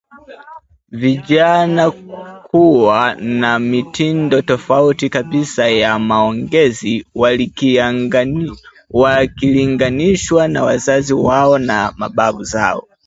vijana kuwa na mitindo tofauti kabisa ya maongezi wakilinganishwa na wazazi wao na mababu zao